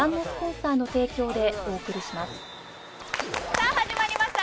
さあ始まりました